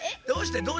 どうして？